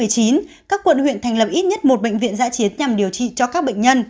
các quận huyện thành lập ít nhất một bệnh viện giã chiến nhằm điều trị cho các bệnh nhân